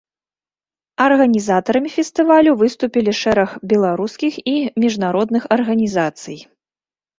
Арганізатарамі фестывалю выступілі шэраг беларускіх і міжнародных арганізацый.